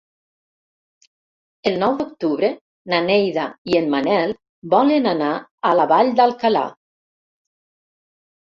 El nou d'octubre na Neida i en Manel volen anar a la Vall d'Alcalà.